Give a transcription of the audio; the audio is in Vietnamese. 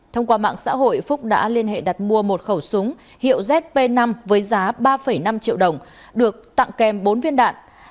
thông qua mạng xã hội phúc đã liên hệ đặt mua một khẩu súng hiệu zp năm với giá ba năm triệu đồng được tặng kèm bốn viên đạn